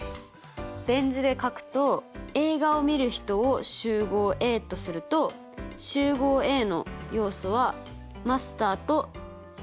ベン図で書くと映画をみる人を集合Ａとすると集合Ａの要素はマスターと私。